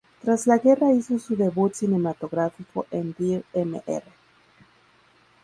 Tras la guerra hizo su debut cinematográfico en "Dear Mr.